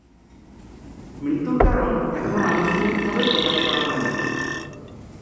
মৃত্যুর কারণ এখনও আনুষ্ঠানিক ভাবে প্রকাশ করা হয়নি।